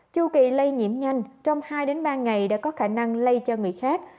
chu kỳ lây nhiễm nhanh trong hai ba ngày đã có khả năng lây cho người khác